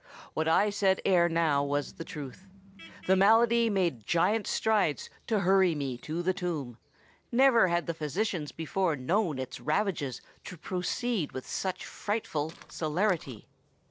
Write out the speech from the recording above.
"What I said ere now was the truth. The malady made giant strides to hurry me to the tomb: never had the physicians before known its ravages to proceed with such frightful celerity.